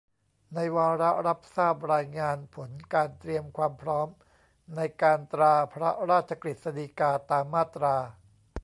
ในวาระรับทราบรายงานผลการเตรียมความพร้อมในการตราพระราชกฤษฎีกาตามมาตรา